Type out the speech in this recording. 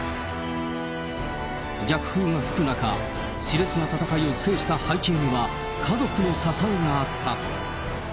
逆風が吹く中、しれつな戦いを制した背景には、家族の支えがあった。